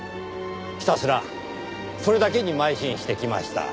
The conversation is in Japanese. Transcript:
ひたすらそれだけにまい進してきました。